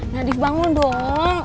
nadif bangun dong